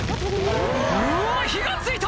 うわ火が付いた！